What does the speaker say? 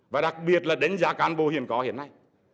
và đặc biệt là đánh giá cán bộ hiện có hiện nay